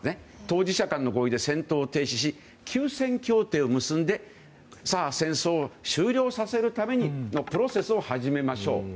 当事者間の合意で戦闘を停止し休戦協定を結んで戦争を終了させるためのプロセスを始めましょう。